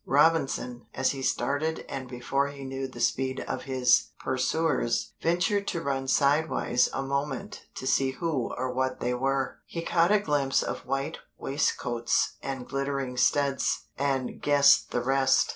Robinson, as he started and before he knew the speed of his pursuers, ventured to run sidewise a moment to see who or what they were. He caught a glimpse of white waistcoats and glittering studs, and guessed the rest.